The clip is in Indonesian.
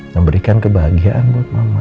memberikan kebahagiaan buat mama